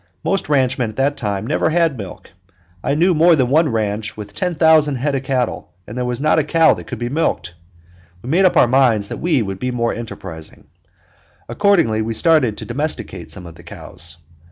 Most ranchmen at that time never had milk. I knew more than one ranch with ten thousand head of cattle where there was not a cow that could be milked. We made up our minds that we would be more enterprising. Accordingly, we started to domesticate some of the cows.